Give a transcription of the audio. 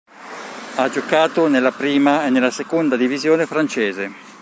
Ha giocato nella prima e nella seconda divisione francese.